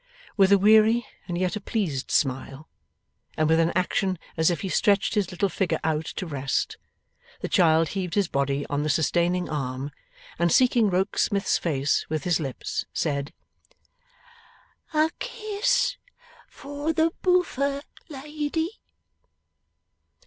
With a weary and yet a pleased smile, and with an action as if he stretched his little figure out to rest, the child heaved his body on the sustaining arm, and seeking Rokesmith's face with his lips, said: 'A kiss for the boofer lady.